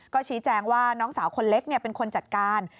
ก็ชี้แจงว่าน้องสาวคนเล็กเป็นคนจัดการ